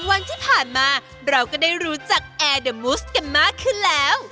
วันที่ผ่านมาเราก็ได้รู้จักแอร์เดอร์มูสกันมากขึ้นแล้ว